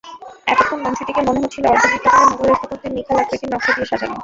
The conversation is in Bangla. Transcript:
এতক্ষণ মঞ্চটিকে মনে হচ্ছিল অর্ধবৃত্তাকারে মোগল স্থাপত্যের খিলান আকৃতির নকশা দিয়ে সাজানো।